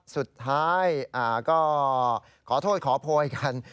สุดท้ายก็ขอโทษขอโพยกัน